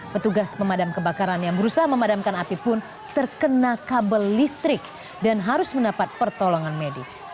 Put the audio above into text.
petugas pemadam kebakaran yang berusaha memadamkan api pun terkena kabel listrik dan harus mendapat pertolongan medis